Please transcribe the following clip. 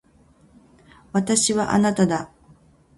私はあなただ。